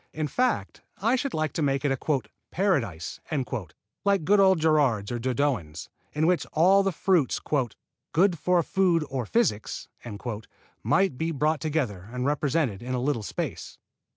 In fact, I should like to make it a "Paradise" like good old Gerarde's or Dodoens', in which all the fruits "good for food or physic" might be brought together and represented in a little space.